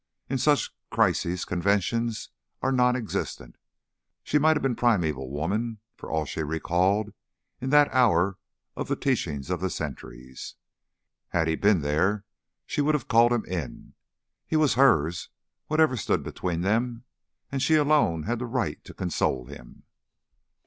In such crises conventions are non existent; she might have been primeval woman for all she recalled in that hour of the teachings of the centuries. Had he been there, she would have called him in. He was hers, whatever stood between them, and she alone had the right to console him.